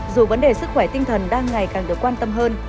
dù vấn đề sức khỏe tinh thần đang ngày càng được quan tâm hơn